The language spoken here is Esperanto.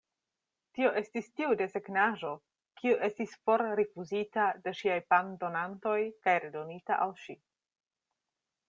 Tio estis tiu desegnaĵo, kiu estis forrifuzita de ŝiaj pandonantoj kaj redonita al ŝi.